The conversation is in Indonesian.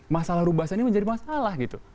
masalah rubasan ini menjadi masalah gitu